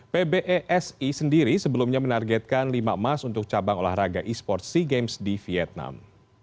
pbese sendiri sebelumnya menargetkan lima emas untuk cabang olahraga esports sea games di vietnam